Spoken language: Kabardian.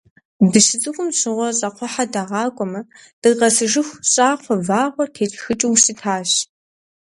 Дыщыцӏыкӏум щыгъуэ щӏакхъуэхьэ дагъакӏуамэ, дыкъэсыжыху, щӏакхъуэ вэгъур тетшхыкӏыу щытащ.